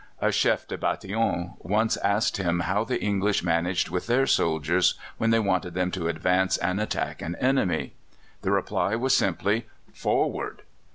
A chef de bataillon once asked him how the English managed with their soldiers when they wanted them to advance and attack an enemy. The reply was simply, "Forward!"